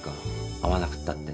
会わなくったって。